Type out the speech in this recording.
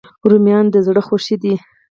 رومیان د زړه خوښي دي